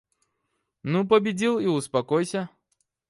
Ну победил и успокойся!